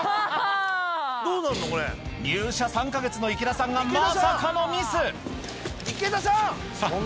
入社３か月の池田さんが、まさかのミス。